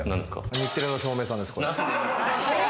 日テレの照明さんです。